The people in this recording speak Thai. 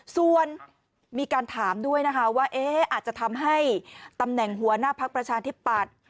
ส่วนมีการถามด้วยนะคะว่าอาจจะทำให้ตำแหน่งหัวหน้าพักประชาธิปัตย์